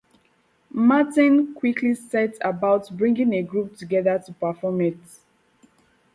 Martin quickly set about bringing a group together to perform it.